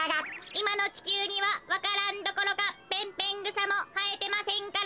いまのちきゅうにはわか蘭どころかペンペングサもはえてませんからね。